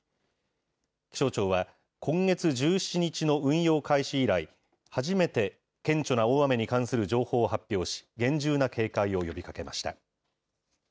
気象庁は、今月１７日の運用開始以来、初めて、顕著な大雨に関する情報を発表し、厳重な警戒を呼びかけました。